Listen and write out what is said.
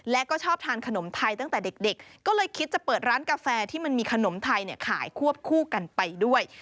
และก็ชอบทานขนมไทยตั้งแต่เด็กก็เลยคิดจะเปิดร้านกาแฟที่มันมีขนมไทยขายควบคู่กันไปด้วย